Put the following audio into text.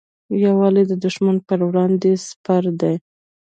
یووالی د دښمن پر وړاندې سپر دی.